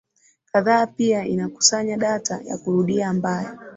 kadhaa pia inakusanya data ya kurudia ambayo